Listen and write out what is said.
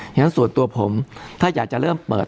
ฉะนั้นส่วนตัวผมถ้าอยากจะเริ่มเปิด